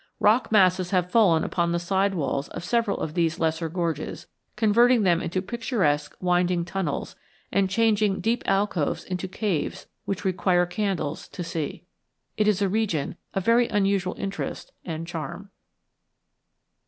Rock masses have fallen upon the side walls of several of these lesser gorges, converting them into picturesque winding tunnels and changing deep alcoves into caves which require candles to see. It is a region of very unusual interest and charm.